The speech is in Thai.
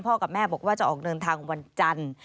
กับแม่บอกว่าจะออกเดินทางวันจันทร์